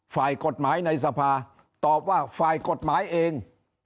ฝ่ายกฎหมายในสภาตอบว่าฝ่ายกฎหมายเอง